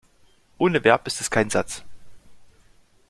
Ohne Verb ist es kein Satz.